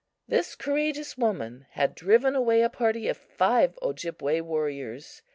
This courageous woman had driven away a party of five Ojibway warriors.